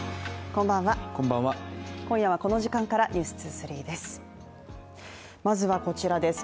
こんばんは、今夜はこの時間から「ｎｅｗｓ２３」です。